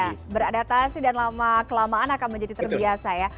iya beradaptasi dan kelamaan akan menjadi terbiasa ya